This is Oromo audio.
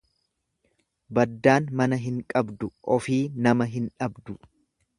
Baddaan mana hin qabdu ofii nama hin dhabdu.